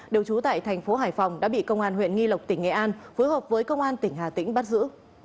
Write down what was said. đều trú tại thành phố hải phòng đã bị công an huyện nghi lộc tỉnh nghệ an phối hợp với công an tỉnh hà tĩnh bắt giữ